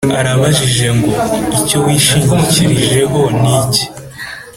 arabajije ngo: Icyo wishingikirijeho ni iki ?